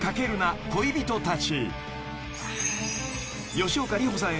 ［吉岡里帆さん